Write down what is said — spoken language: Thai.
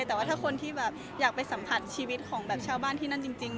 แต่ว่าถ้าคนที่แบบอยากไปสัมผัสชีวิตของแบบชาวบ้านที่นั่นจริง